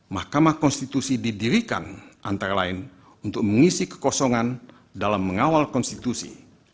mahkamah konstitusi didirikan antara lain untuk mengisi kekosongan dalam mengawal konstitusi